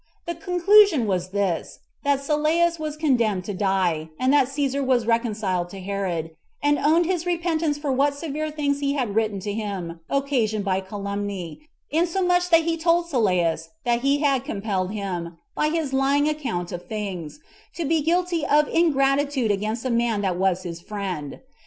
The conclusion was this, that Sylleus was condemned to die, and that Cæsar was reconciled to Herod, and owned his repentance for what severe things he had written to him, occasioned by calumny, insomuch that he told Sylleus, that he had compelled him, by his lying account of things, to be guilty of ingratitude against a man that was his friend.